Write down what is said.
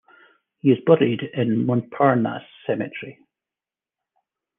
He is buried in Montparnasse Cemetery.